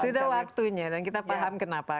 sudah waktunya dan kita paham kenapa